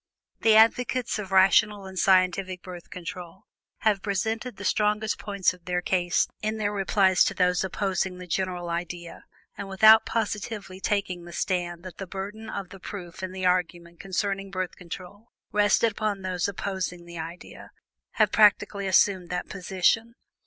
The advocates of rational and scientific Birth Control have presented the strongest points of their case in their replies to those opposing the general idea, and without positively taking the stand that the burden of the proof in the argument concerning Birth Control rested upon those opposing the idea, have practically assumed that position.